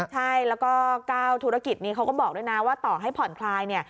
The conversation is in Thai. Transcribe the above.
ใช่แล้วก็๙ธุรกิจนี้เขาก็บอกด้วยนะว่าต่อให้ผ่อนคลายเนี่ย